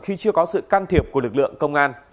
khi chưa có sự can thiệp của lực lượng công an